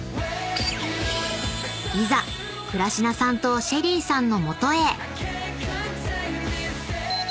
［いざ倉科さんとＳＨＥＬＬＹさんの元へ］